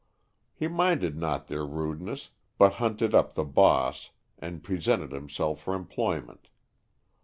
He minded not their rudeness, but hunted up the "boss'' and presented himself for employment.